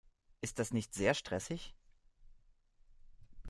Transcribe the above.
Ist das nicht sehr stressig?